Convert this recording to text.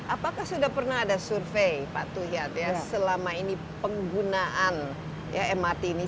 apakah sudah pernah ada survei pak tuyat ya selama ini penggunaan mrt ini